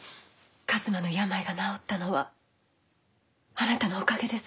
一馬の病が治ったのはあなたのおかげです。